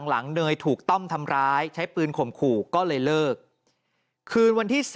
เนยถูกต้อมทำร้ายใช้ปืนข่มขู่ก็เลยเลิกคืนวันที่๔